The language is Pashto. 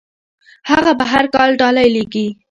هغه به هر کال ډالۍ لیږي.